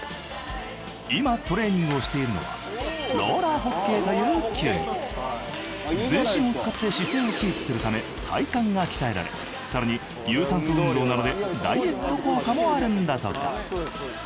今トレーニングをしているのは全身を使って姿勢をキープするため体幹が鍛えられ更に有酸素運動なのでダイエット効果もあるんだとか。